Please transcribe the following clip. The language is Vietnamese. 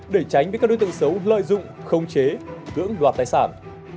để tránh với các đối tượng xấu lợi dụng không chế tưỡng đoạt tài sản